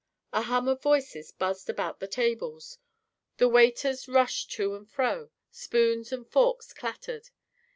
A hum of voices buzzed around the tables; the waiters rushed to and fro; spoons and forks clattered.